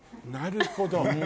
なるほど。